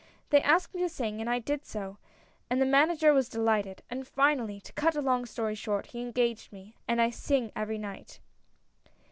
They asked me to sing, I did so, and the manager was delighted ; and finally, to cut a long story short, he engaged me — and I sing every night."